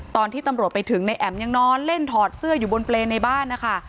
ตอนที่ตำรวจไปถึงในแอ๋มยังนอนเล่นถอดเสื้ออยู่บนเปรย์ในบ้านนะคะ